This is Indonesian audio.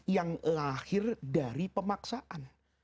yang lahir dari pemaksaan